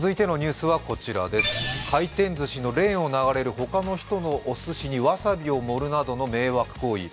回転ずしのレーンを流れる他の人のおすしにわさびを盛るなどの迷惑行為。